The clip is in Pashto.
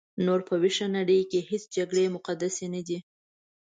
نور په ویښه نړۍ کې هیڅ جګړې مقدسې نه دي.